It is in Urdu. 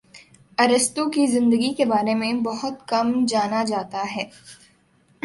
ارسطو کی زندگی کے بارے میں بہت کم جانا جاتا ہے